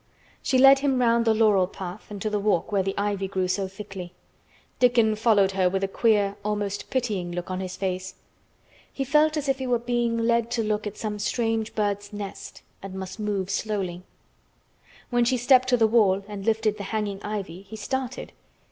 She led him round the laurel path and to the walk where the ivy grew so thickly. Dickon followed her with a queer, almost pitying, look on his face. He felt as if he were being led to look at some strange bird's nest and must move softly. When she stepped to the wall and lifted the hanging ivy he started.